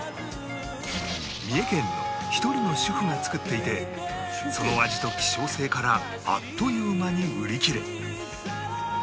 三重県の１人の主婦が作っていてその味と希少性からあっという間に売り切れ